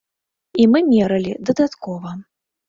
І мы мералі, дадаткова.